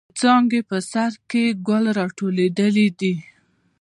د څانګې په سر کښې ګل را ټوكېدلے دے۔